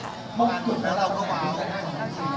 เพราะเราก็ว้าว